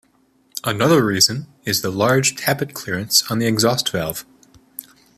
Another reason is the large tappet clearance on the exhaust valve.